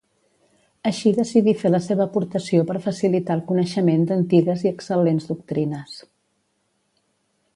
Així decidí fer la seva aportació per facilitar el coneixement d’antigues i excel·lents doctrines.